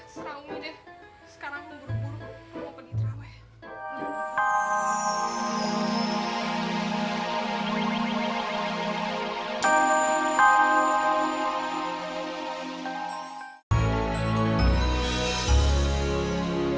sekarang umi deh sekarang ngubur ngubur mau pergi terawet